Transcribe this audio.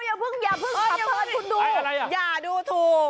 อย่าเพิ่งอย่าเพิ่งขับเผินคุณดูอย่าดูถูก